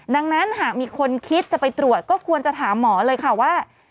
ดังนั้นหากมีคนคิดจะไปตรวจก็ควรจะถามหมอเลยค่ะว่า